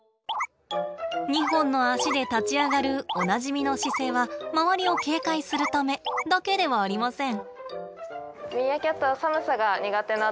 ２本の足で立ち上がるおなじみの姿勢は周りを警戒するためだけではありません。